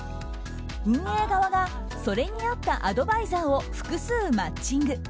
運営側がそれに合ったアドバイザーを複数マッチング。